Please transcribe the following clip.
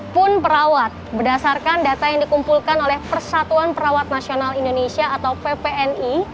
pun perawat berdasarkan data yang dikumpulkan oleh persatuan perawat nasional indonesia atau ppni